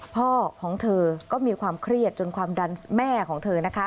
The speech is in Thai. พ่อของเธอก็มีความเครียดจนความดันแม่ของเธอนะคะ